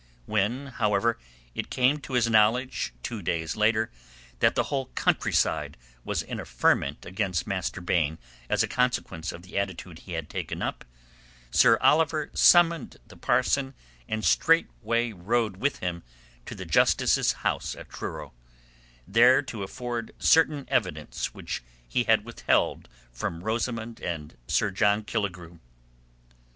When, however, it came to his knowledge two days later that the whole countryside was in a ferment against Master Baine as a consequence of the attitude he had taken up, Sir Oliver summoned the parson and straightway rode with him to the Justice's house at Truro, there to afford certain evidence which he had withheld from Rosamund and Sir John Killigrew.